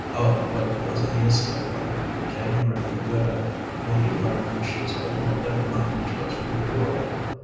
"Oh, but wasn't he a slick one for getting around the widow when he learned she was holding all that money in trust for Dora."